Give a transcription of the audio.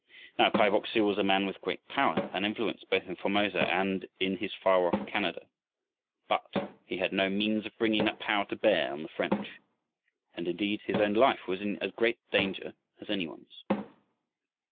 Now Kai Bok su was a man with great power and influence both in Formosa and in his far off Canada, but he had no means of bringing that power to bear on the French. And indeed his own life was in as great danger as any one's.